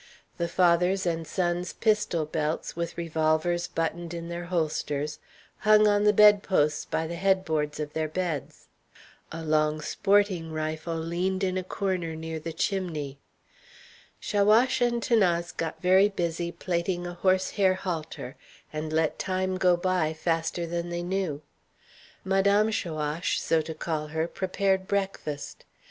The father's and son's pistol belts, with revolvers buttoned in their holsters, hung on the bedposts by the headboards of their beds. A long sporting rifle leaned in a corner near the chimney. Chaouache and 'Thanase got very busy plaiting a horse hair halter, and let time go by faster than they knew. Madame Chaouache, so to call her, prepared breakfast.